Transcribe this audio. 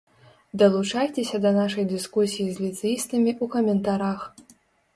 Далучайцеся да нашай дыскусіі з ліцэістамі ў каментарах.